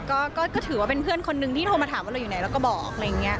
ก็ถือว่าเป็นเพื่อนคนนึงที่โทรมาถามว่าเราอยู่ไหนแล้วก็บอก